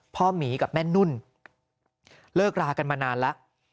หมีกับแม่นุ่นเลิกรากันมานานแล้ว